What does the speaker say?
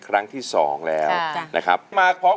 สวัสดีครับคุณหน่อย